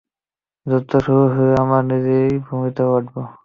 যুদ্ধ শুরু হলে আমরা নিজ ভূমিতে লড়ব।